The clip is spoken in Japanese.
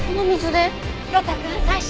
呂太くん採取。